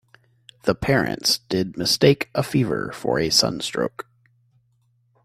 The parents did mistake a fever for sunstroke.